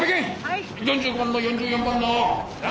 ４５番の４４番の７７。